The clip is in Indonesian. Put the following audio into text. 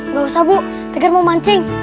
gak usah ibu tegar mau mancing